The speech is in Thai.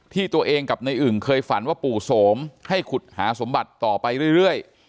ที่ตัวเองกับในอึ่งเคยฝันว่าปู่โสมให้ขุดหาสมบัติต่อไปเรื่อย